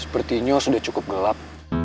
sepertinya sudah cukup gelap